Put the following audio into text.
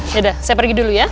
sudah saya pergi dulu ya